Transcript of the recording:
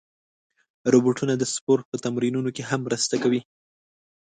روبوټونه د سپورت په تمرینونو کې هم مرسته کوي.